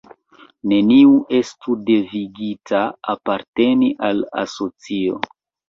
Neniu estu devigita aparteni al asocio.